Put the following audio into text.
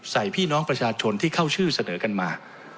พี่น้องประชาชนที่เข้าชื่อเสนอกันมา